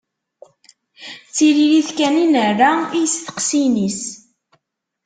D tiririt kan i nerra i yesteqsiyen-is.